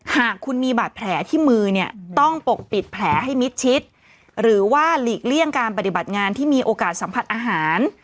หากคุณมีบาดแผลที่มือเนี่ยต้องปกปิดแผลให้มิดชิดหรือว่าหลีกเลี่ยงการปฏิบัติงานที่มีโอกาสสัมผัสอาหาร